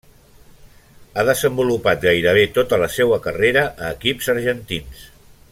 Ha desenvolupat gairebé tota la seua carrera a equips argentins.